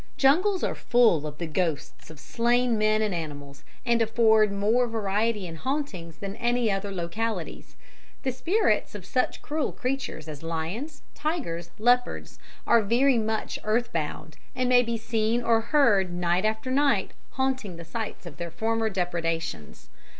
Jungles are full of the ghosts of slain men and animals, and afford more variety in hauntings than any other localities. The spirits of such cruel creatures as lions, tigers, leopards, are very much earth bound, and may be seen or heard night after night haunting the sites of their former depredations.